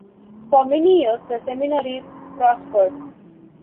For many years the Seminary prospered.